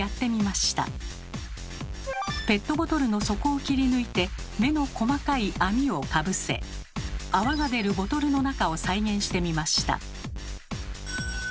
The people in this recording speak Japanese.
ペットボトルの底を切り抜いて目の細かい網をかぶせ泡が出るボトルの中を再現してみました。